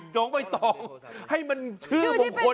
น้องไม่ต้องให้มันชื่อบรมคลน